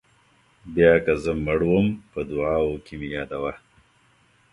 بیا که زه مړ وم په دعاوو کې مې یادوه.